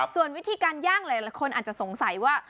ส่วนวิธีการย่างหลายคนอาจจะสงสัยว่า